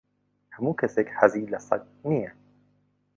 ھەموو کەسێک حەزی لە سەگ نییە.